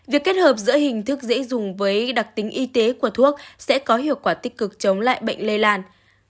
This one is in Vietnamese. việc kết hợp giữa hình thức dễ dùng với đặc tính y tế của thuốc sẽ có hiệu quả tích cực chống lại bệnh lây lan